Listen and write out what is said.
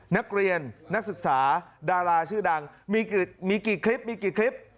นักเรียนนักศึกษาดาราชื่อดังมีกี่มีกี่คลิปมีกี่คลิป